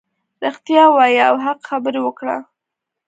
رښتیا ووایه او حق خبرې وکړه .